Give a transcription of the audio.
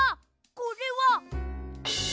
これは！